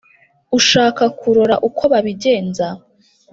Ushaka kurora ukwo babigenza,